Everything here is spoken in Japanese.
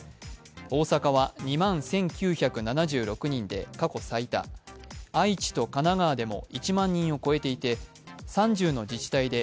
大阪は２万１９７６人で過去最多愛知と神奈川でも１万人を超えていて３０の自治体で